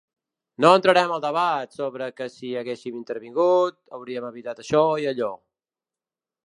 No entrarem al debat sobre que si haguessin intervingut, hauríem evitat això i allò.